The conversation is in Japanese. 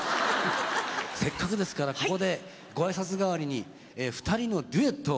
せっかくですからここでご挨拶代わりに２人のデュエットを。